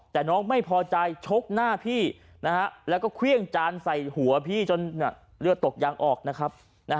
แต่น้องไม่พอใจชกหน้าพี่แล้วก็เครื่องจานใส่หัวพี่จนเลือดตกยางออกนะครับ